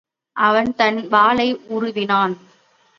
அவன் தன் வாளை உருவினான்.